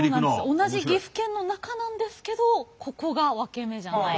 同じ岐阜県の中なんですけどここがワケメじゃないかと。